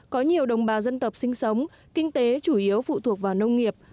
có nhiều đồng bà dân tập sinh sống kinh tế chủ yếu phụ thuộc vào nông nghiệp